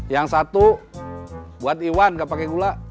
yang satu buat iwan gak pakai gula